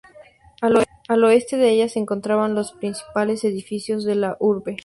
Al oeste de ella se encontraban los principales edificios de la urbe.